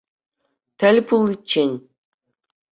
Тӗл пуличчен!